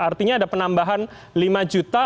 artinya ada penambahan lima juta